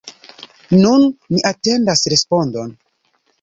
Nun ni atendas respondon.